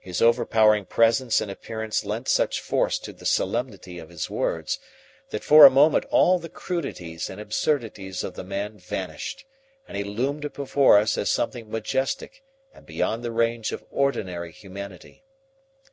His overpowering presence and appearance lent such force to the solemnity of his words that for a moment all the crudities and absurdities of the man vanished, and he loomed before us as something majestic and beyond the range of ordinary humanity.